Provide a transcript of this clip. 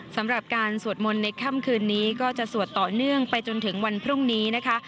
สำหรับการสวดมนต์ในค่ำคืนนี้ก็จะสวดต่อเนื่องไปจนถึงวันพรุ่งนี้นะคะ